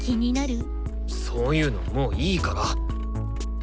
そういうのもういいから！